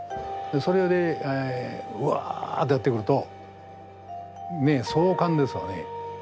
それで「わ」ってやって来ると壮観ですわね。